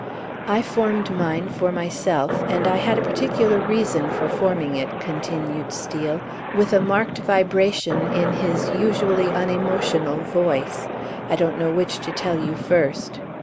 "I formed mine for myself, and I had a particular reason for forming it," continued Steel, with a marked vibration in his usually unemotional voice. "I don't know which to tell you first....